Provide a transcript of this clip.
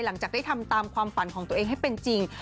หลังจากได้ทำตามความฝันของตัวเองให้เป็นจริง